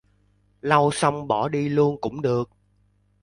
Lau xong bỏ đi luôn cũng được